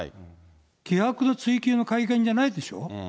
疑惑の追及の会見じゃないでしょ。